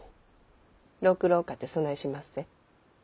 六郎かてそないしまっせ。